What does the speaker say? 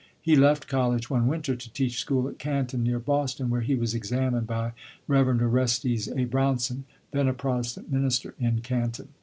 He left college one winter to teach school at Canton, near Boston, where he was examined by Rev. Orestes A. Brownson, then a Protestant minister in Canton.